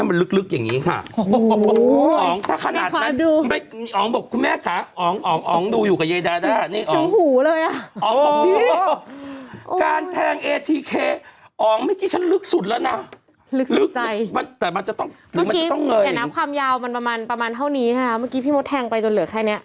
บางทีแผ่นน้ำความยาวมันประมาณเท่านี้พี่หมดแทงไปจนเหลือแค่เนี้ย